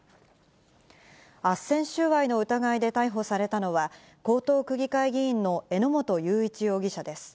あっせん収賄の疑いで逮捕されたのは、江東区議会議員の榎本雄一容疑者です。